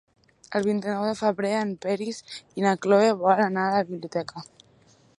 El vint-i-nou de febrer en Peris i na Cloè volen anar a la biblioteca.